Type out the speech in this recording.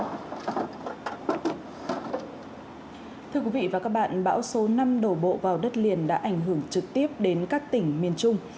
thưa quý vị và các bạn bão số năm đổ bộ vào đất liền đã ảnh hưởng trực tiếp đến các tỉnh miền trung